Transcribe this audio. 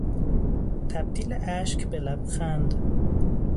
تبدیل اشک به لبخند